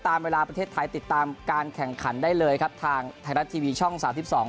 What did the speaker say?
ตามเวลาประเทศไทยติดตามการแข่งขันได้เลยครับทางไทยรัฐทีวีช่องสามสิบสอง